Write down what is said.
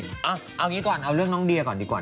เอางี้ก่อนเอาเรื่องน้องเดียก่อนดีกว่า